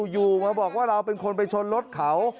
อยู่มาบอกว่าเราเป็นคนไปชนรถเขา